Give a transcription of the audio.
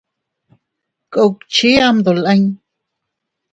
Kuinchi am dolin.